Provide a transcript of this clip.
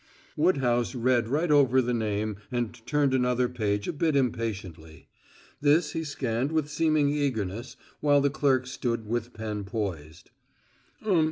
Woodhouse read right over the name and turned another page a bit impatiently. This he scanned with seeming eagerness, while the clerk stood with pen poised.